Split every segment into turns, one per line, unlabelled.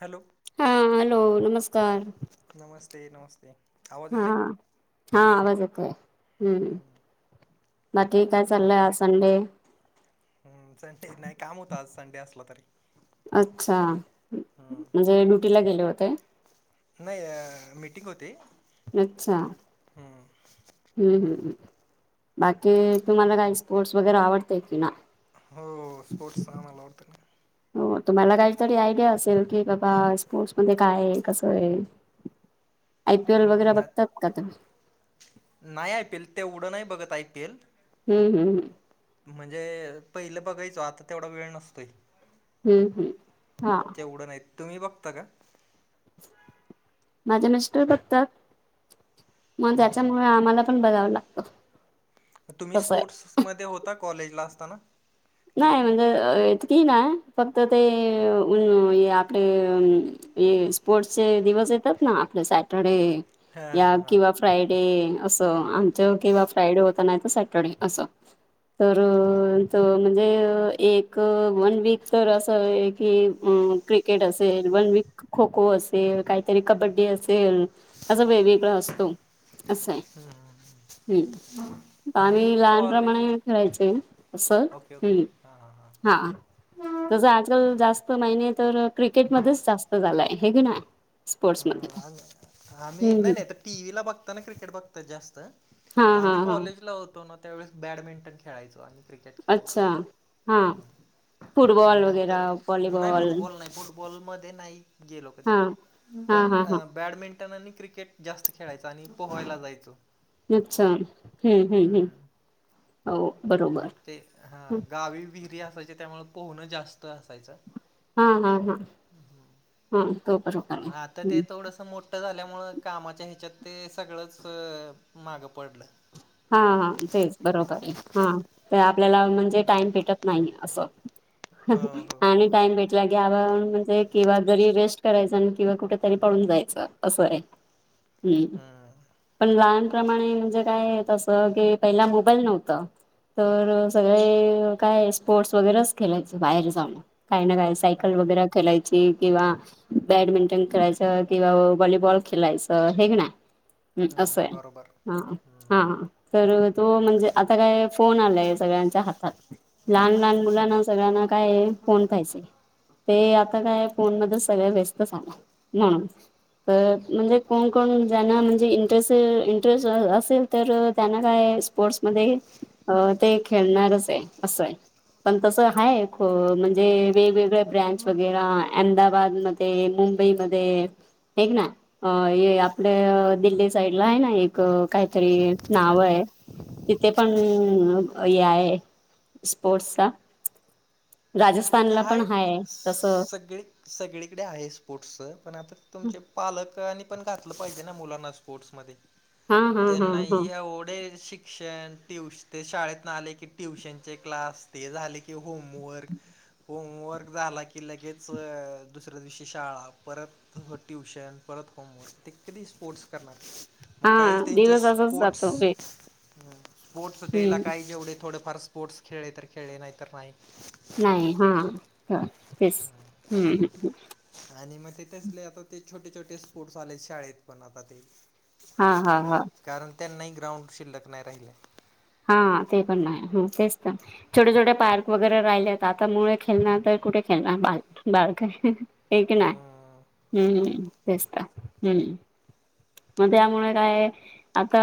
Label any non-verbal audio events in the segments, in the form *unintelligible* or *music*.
Hello.
हा hello, नमस्कार
नमस्ते नमस्ते आवाज
हा.
येतोय
हा आवाज येतोय.
हा
हम्म
हा.
बाकी काय चाललंय? आज संडे
हम्म संडे नाही. काम होत आज संडे असला तरी.
अच्छा,
हम्म.
म्हणजे ड्युटीला गेले होते.
नाही अ. मीटिंग होते.
अच्छा. हू हू हू. बाकी तुम्हाला काही स्पोर्ट्स वगैरे आवडतय का नाही?
हो हो स्पोर्ट्स आम्हाला आवडत ना.
हो तुम्हाला काहीतरी आयडिया असेल, की बाबा स्पोर्टस मध्ये काय आहे कसं आहे? आय पी एल वगैरे
हम्म,
बघतात
ना-
का तुम्ही?
नाही आय पी एल, तेवढ नाही बघत आय पी एल.
हू हुं हुं.
म्हणजे पहिलं बघायचो, आता तेवढा वेळ नसतोय. मग
हम्म हम्म हा
तेवढं नाही, तुम्ही बघता का?
माझे मिस्टर बघतात, म
हम्म, हम्म,
त्याच्यामुळे
हम्म.
आम्हाला पण बघावं लागतं.
तुम्ही
तसं आहे
स्पोर्ट्स मध्ये होता कॉलेजला असताना? की
नाही म्हणजे अ इतकी नाय, फक्त ते अ अ आपले अ ते स्पोर्ट्स चे दिवस येतात ना, आपले सॅटरडे
हां
या
हां
किंवा
हां
फ्रायडे असं आण चव किंवा फ्राय डे होता नाही, तर सॅटर डे अस. म्हणजे एक वन वीक तर असं आहे की, क्रिकेट असेल वन वीक खो खो असेल, काहीतरी कबड्डी असेल, असं वेगवेगळां असतो. असं हाय. हू
मी
आम्ही
कॉलेज
लहानप्रमाणे खेळायचे असं.
ओके
हू
ओके हां हां हां
हा, तसं आजकाल जास्त महिने तर क्रिकेट मध्येच जास्त झालाय हे की नाय.
हां. आमी आम्ही नाही नाही, तर टी व्ही ला बघता ना क्रिकेट बघतात जास्त.
हा हा
आम्ही
हा
कॉलेजला होतो ना, त्यावेळेस बॅडमिंटन खेळायचो आम्ही. क्रिकेट तेन खेळायचं
अच्छा हा
मग
फुटबॉल वगैरे
नंतर, नाही
व्हॉलीबॉल
फुटबॉल नाही फुट बॉलमध्ये नाही गेलो
हा
कधी.
हा
पण
हा हा
बॅडमिंटन आणि क्रिकेट जास्त खेळायचो आणि पोहायला जायचो.
अच्छा हू हू हू.
हम्म
हो बरोबर
मग ते हा गावी विहिरी असायच्या त्यामूळ पोहण जास्त असायचं.
हा हा हा हा. हा तो बरोबर कशो करे हम्म.
थोडस मो ठ झाल्यामुळं कामाच्या ह्याच्यात ते सगळंच मागं पडलं.
हा हा तेच बरोबर ये, हा. तर आपल्याला म्हणजे टाइम भेटत नाही असं
हो हो
आणि
हो
टाइम भेट गे आवा म्हणजे किंवा जरी रेस्ट करायचं आणि किंवा कुठ तरी पडून जायचं असं आहे. हू
हम्म
पण लहानप्रमाणे म्हणजे काय तस की पहिला मोबाईल नव्हतं. तर, सगळे काय स्पोर्ट्स वगैरेच खेळायचं बाहेर जाऊन, काही ना काय
हम्म
सायकल वगैरे खेलायची किंवा बॅडमिंटन खेलायचं किंवा व्हॉलीबॉल खेलायचं हे ग ना? हं, असं
हम्म
हाय.
बरोबर
हा. हा,
हम्म
तर तो म्हणजे, आता काय फोन आलाय सगळ्यांच्या हातात. लहान, लहान मुलांना सगळ्यांना काय फोन पाहिजे. ते आता काय फोन मध्ये सगळे वेस्त झालाय, म्हणून. तर म्हणजे, कोण-कोण ज्यांना म्हणजे, इंटरेस्ट, इंटरेस्ट असेल तर त्यांना काय स्पोर्ट्समध्ये अ ते खेळणारच आहे असं हाय, पण तस आहे ख म्हणजे वेगवेगळ ब्रँच वगैरा अहमदाबादमध्ये, मुंबईमध्ये ऐक ना, आपलं दिल्ली साईडला आहे ना, एक काय तरी नाव आहे, तिथे पण हे आहे. स्पोर्ट्सचा राजस्थानला
नाही
पण हाय, तस
सगळी सगळीकडे आहे स्पोर्ट्सचं, पण आता तुमच्या पालकांनी पण घातलं पाहिजे ना, मुलांना स्पोर्ट्स मध्ये.
हा हा हा
त्यांना
हा
एवढं शिक क्षण, ट्यूश ते शाळेतन आले की, ट्युशनचे क्लास, ते झाले की होमवर्क. होमवर्क झाला की, लगेच दुसऱ्या दिवशी शाळा परत ट्युशन, परत होमवर्क, ते कधी स्पोर्ट्स करणार? मग
हा
काहीच त्यांचे
दिवस असाच
स्पोर्ट्स.
जातो
स्पोर्ट्स डे ला
हम्म
काही जेवढे थोडेफार स्पोर्ट्स खेळले, तर खेळले नाही तर नाही.
नाही, हा तर तेच. हं, हं, हं.
आणि मग ते तसले आता ते छोटे, छोटे स्पोर्टस् आलेत, शाळेत पण आता ते.
हा, हा, हा.
कारण त्यांनाही ग्राउंड शिल्लक नाही राहिलाय.
हा, ते पण नाही, तेच तर. छोटे, छोटे पार्क वगैरे राहिलेत. आता मुळे खेळणार, तर कुठे खेळणार बा बाळक. एक ना,
हम्म
हम्म, तेच तर हम्म. मग त्यामुळे काय आता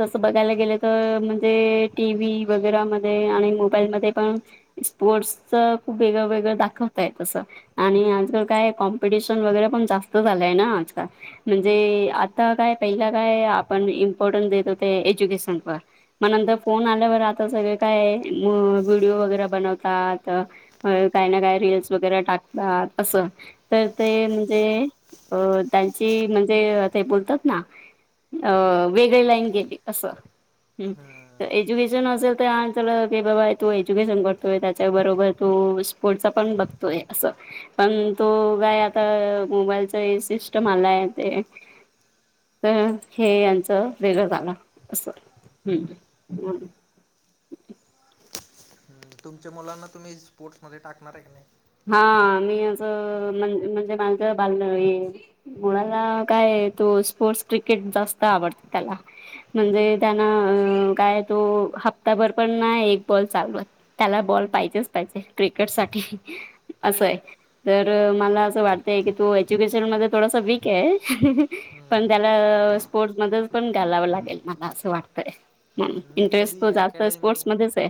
तसं बघायला गेलं तर, म्हणजे टिव्ही वगैरेमध्ये आणि मग मोबाईलमध्ये पण स्पोर्ट्सच खूप वेगळं, वेगळं दाखवताय तसं. आणि आजकाल काय कॉम्पिटिशन वगैरे, पण जास्त झालंय ना, आजकाल म्हणजे आज आता काय पहिलं काय, आपण इम्पॉर्टन्ट देत होते एज्युकेशन वर. मग नंतर फोन आल्यावर आता सगळे काय, मग व्हिडिओ वगैरे बनवतात. मग काही ना काय, रील्स वगैरे टाकतात असं. तर ते म्हणजे, अ त्यांची म्हणजे, ते बोलतात ना. अ वेगळी लाईन गेली असं. हं.
हम्म
एज्युकेशन असेल तर की, बाबा तो एज्युकेशन करतोय त्याच्याबरोबर तू पुढचा पण बघतोय असं. पण तो काय आता मोबाईलचा सिस्टम आलाय ते. तर हे यांचं वेगळं झालं अस. हं.
तुमच्या मुलांना तुम्ही स्पोर्ट्समध्ये टाकणार आहे का नाही?
हा, मी असं म्हण- म्हणजे माझ बाल हे. मुलाला काय तो स्पोर्ट्स क्रिकेट जास्त आवडत त्याला. म्हणजे त्यांना अ काय तो हप्ताभर पण नाय एक बॉल चालवत. त्याला बॉल पाहिजेच, पाहिजे क्रिकेट साठी असंय. तर मला असं वाटतंय की तो एज्युकेशन मध्ये थोडासा वीक आहे. पण त्याला स्पोर्टस मधुन पण घालावं लागेल मला असं वाटतय. हम्म,
मी
इंटरेस्ट
कधी
तो जास्त
अकॅडमी
स्पोर्टस मध्येच आहे.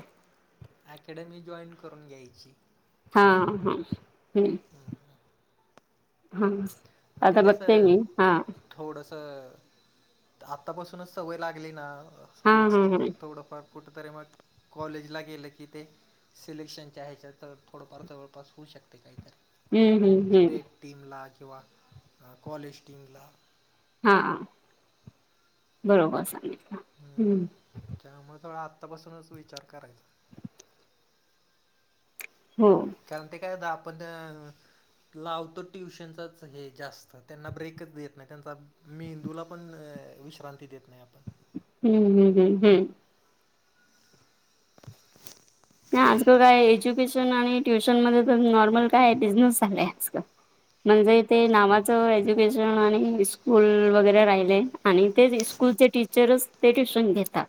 अकॅडमी जॉईन करून घ्यायची.
हा हा हम्म. हा आता बघेतेय मी हा.
थोडस आतापासूनच सवय लागली ना.
हा हा
स्पोर्टसची
हा
मग थोडंफार कुठेतरी मग कॉलेजला गेलं की ते सिलेक्शनच्या ह्याच्या तर थोडंफार जवळपास होऊ शकते काही तरी.
हम्म, हम्म, हम्म..
टीमला किंवा कॉलेज टीमला
हां बरोबर सांगितलं, हम्म.
त्यामुळे थोडा आत्तापासूनच विचार करायचा.
हो.
कारण ते काय होतं आपण त्या लावतो ट्युशनचाच हे जास्त त्यांना ब्रेकच देत नाही त्यांचा मेंदूला पण विश्रांती देत नाही आपण.
हम्म, हम्म, हम्म, हम्म.
हा *inaudible*
नाही आजकाल काय एज्युकेशन आणि ट्युशन मध्ये तर नॉर्मल काय बिझनेस झालाय आजकाल- म्हणजे तेे नावाचं एज्युकेशन आणि स्कूल वगैरे राहिले. आणि ते स्स्कूलचे टीचरच ते ट्युशन घेता.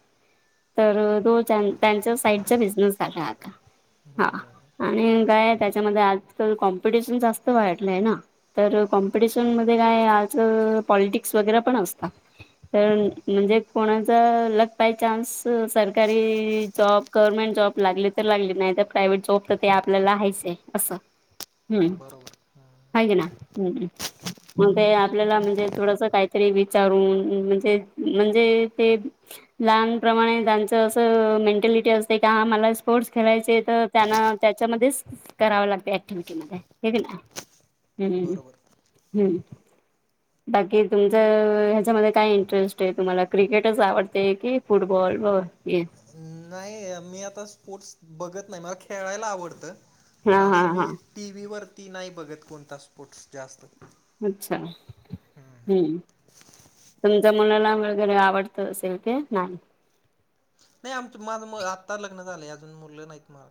तर तो त्यांच्या साईडचा बिझनेस झाला आता. हा
हम्म
आणि काय त्याच्यामध्ये आज तर कॉम्पिटिशन जास्त वाटलंय ना. तर कॉम्पिटिशन मध्ये काय आज पॉलिटिक्स वगैरे पण असता. तर म्हणजे कोणाचा लग बाय चान्स सरकारी जॉब गव्हर्मेंट जॉब लागली तर लागले नाही तर प्रायवट जॉब तर ते आपल्याला हायचय अस, हम्म.
बरोबर हम्म
हाय की ना? हम्म. मग ते आपल्याला म्हणजे थोडस काहीतरी विचारून म्हणजे, म्हणजे ते लहान प्रमाणे त्यांचं असं मेंटॅलिटी असते का हा मला स्पोर्टस खेळायचे तर त्यांना त्याच्यामध्ये कराव लागत ऍक्टिव्हटी मग काय हे की नाय? हम्म,
बरोबर
हम्म. बाकी तुमचं ह्याच्यामध्ये काय इंटरेस्ट आहे तुम्हाला क्रिकेटच आवडते की फुटबॉल व हॉकी.
नाही मी आता स्पोर्टस बघत नाही मला खेळायला आवडतं
हा
पण
हा
असं
हा
मी टी व्ही वरती नाही बघत कोणता स्पोर्टस जास्त.
अच्छा, हम्म. तुमच्या मुलाला वगैरे आवडत असेल ते नाही?
नाही आमच माझं आत्ता लग्न झालंय अजून मुलं नाहीत मला.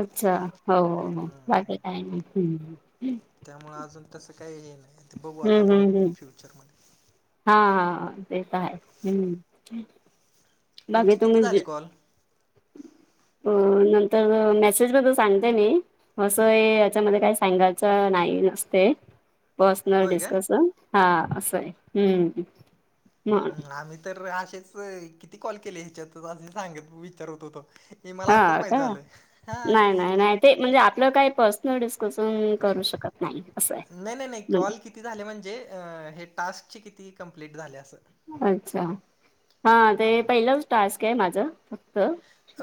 अच्छा, हो हो बाकी काही नाही, हम्म.
त्यामुळे अजून तसं काही हे नाही ते बघू आता
हम्म
पाहु
हम्म हम्म
फ्युचरमध्ये.
हा हा ते तर आहे, हम्म. बाकी
तुमचे किती
तुम्ही
झाले कॉल?
अ नंतर अ मॅसेज बद्दल सांगते मी. असं हे, याच्यामध्ये काही सांगायचं नाही. नसतय. पर्सनल
होय काय
डिस्कस. हा, असंय. हम्म. मग
ह आम्ही तर असेच, किती कॉल केले ह्याच्यात? असे सांगत, विचारत होतो. ही मला
हा
आत्ताच माहित
का
झालं. ह.
नाही नाही नाही ते म्हणजे, आपलं काही पर्सनल डिस्कसन, करू शकत नाही. असंय.
नाही, नाही, नाही.
म्ह
कॉल किती झाले म्हणजे? अ हे टास्कचे किती कंप्लीट झाले? असं.
अच्छा. हा. ते, पहिलंच टास्कय, माझं. त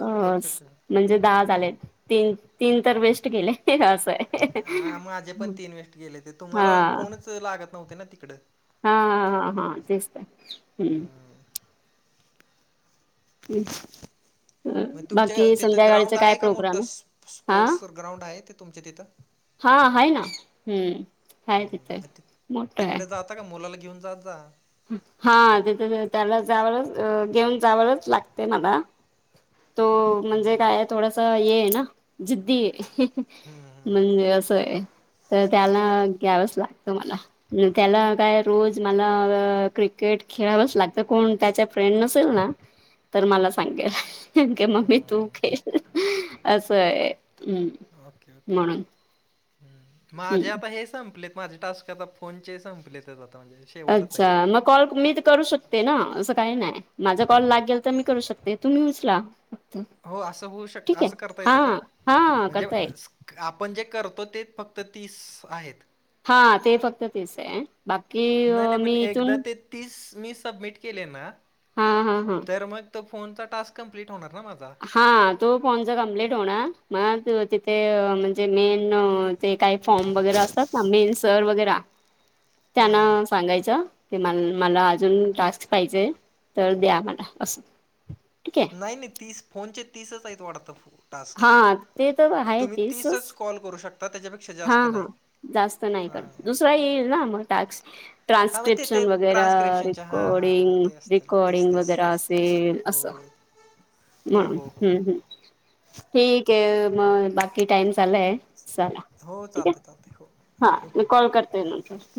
अ
ओके,
स
ओके.
म्हणजे दहा झाले. तीन, तीन तर बेस्ट गेले. असंय.
हा, माझे पण तीन वेस्ट गेले. ते
हा
तुम्हाला फोनच लागत नव्हते ना, तिकडं.
हा, हा, हा. तेच त.
हा.
हम्.
मग तुमच्या तिथं ग्राउंड
काय
आहे का? मोठं.
प्रोग्राम
स्
आहे
स्
हा
स्पोर्ट्स ग्राउंड आहे, ते तुमच्या तिथं.
हा, हाय ना. हम्म. हाय तिथे. मोठय.
आता मुलाला घेऊन जात जा.
हा तिथं, त्याला जावल, घेऊन जावलच लागतय मला. तो, म्हणजे
हं,
काय? थोडस येय ना. जिद्दीय.
हा.
म्हणजे असंय. तर त्याला घ्यावच लागतं मला. त्याला काय रोज मला क्रिकेट खेळावंच लागतं. कोण त्याच्या फ्रेंड नसेल ना, तर मला सांगेल. *unintelligible* क
हं,
मम्मी, तू
हं.
केलय असंय. हम्.
Okay, okay, okay. हं. माझे
हम्म
आता हे संपलेत माझे टास्क. आता फोनचे संपलेत, आता म्हणजे शेवटच
अच्छा,
आहेत.
मग कॉल मी त करू शकते ना? असं काय नाय. माझा कॉल लागेल त मी करू शकते. तुम्ही उचला.
हो, असं होऊ शकतं.
ठीक आहे
असं करता
हा
येतं का?
हा
म्हणजे
करता येईल
असं आपण जे करतो तेच फक्त तीस आहेत.
हा, ते फक्त तेचय. बाकी, मी इथून
तीस, मी सबमिट केले ना
हा, हा, हा.
तर मग तो फोनचा टास्क कंप्लीट होणार ना माझा?
हा, तो फोनचा कंप्लीट होणार. मग त तिथे अ म्हणजे मेन ते काय फॉर्म वगैरा असतात ना, मेन सर वगैरा,
हां,
त्यांना
हां.
सांगायच, की म मला अजून टास्क पाहिजे, तर द्या मला. असं. ठीके.
नाही - नाही. तीस, फोनचे तीसचयत वाटतं, फो टास्क.
हा ते तर आहे
तुम्ही
तेसच
तीसच कॉल करू शकता. त्याज्या
हा, हा. जास्त नाही कर. दुसरा येईल ना, मग टाक्स?
हां, मग ते ते
ट्रान्स्क्रिप्शन वगैर,
ट्रान्स्क्रिप्शनच्या हां, हां, हां.
रिकॉर्डिंग.
ते असतील. तेच,
रिकॉर्डिंग
तेच,
वगैरे
तेच.
असेल. असं.
हो.
म
हो
हम्म,
हो हो
हम्. ठीकय मग. बाकी टाइम झालाय. चला,
हो
ठीकय.
चालते चालते हो
हा,
ओके
मी
ओके बाय
कॉल करते नंतर.